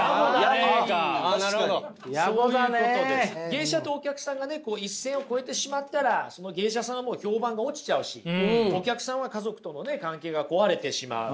芸者とお客さんがね一線を越えてしまったらその芸者さんはもう評判が落ちちゃうしお客さんは家族とのね関係が壊れてしまう。